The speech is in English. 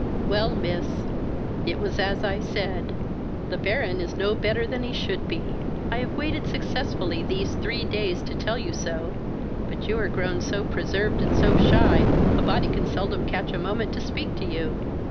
"Well, miss, it was as I said; the Baron is no better than he should be. I have waited successfully these three days to tell you so; but you are grown so preserved and so shy, a body can seldom catch a moment to speak to you."